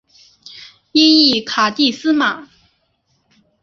音译卡蒂斯玛。